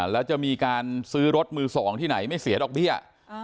แล้วจะมีการซื้อรถมือสองที่ไหนไม่เสียดอกเบี้ย